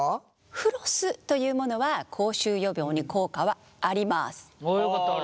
フロスというものは口臭予防に効果はあります。